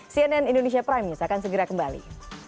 cnn indonesia prime news akan segera kembali